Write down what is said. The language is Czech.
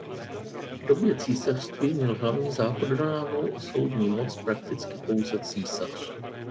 V době císařství měl hlavní zákonodárnou a soudní moc prakticky pouze císař.